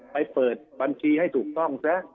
เปิดบัญชีให้ถูกต้องซะ